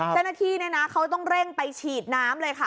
เจ้าหน้าที่เนี่ยนะเขาต้องเร่งไปฉีดน้ำเลยค่ะ